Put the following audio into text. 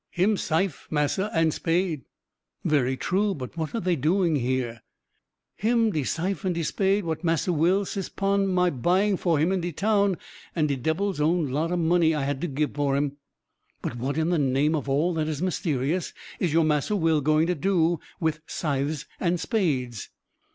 "Him syfe, massa, and spade." "Very true; but what are they doing here?" "Him de syfe and de spade what Massa Will sis pon my buying for him in de town, and de debbil's own lot of money I had to gib for 'em." "But what, in the name of all that is mysterious, is your 'Massa Will' going to do with scythes and spades?"